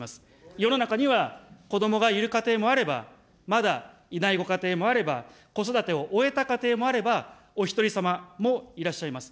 世の中にはこどもがいる家庭もあれば、まだ、いないご家庭もあれば、子育てを終えた家庭もあれば、おひとりさまもいらっしゃいます。